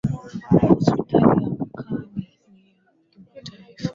Hospitali ya Aga khan ni ya kimataifa